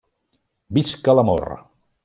Visca l'amor!